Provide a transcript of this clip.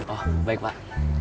oh baik pak